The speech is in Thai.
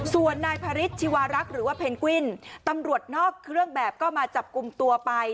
ส่วนนายพระฤทธิวารักษ์หรือว่าเพนกวินตำรวจนอกเครื่องแบบก็มาจับกลุ่มตัวไป